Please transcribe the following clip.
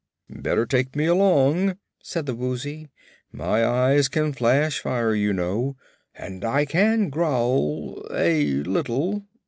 "Better take me along," said the Woozy. "My eyes can flash fire, you know, and I can growl a little."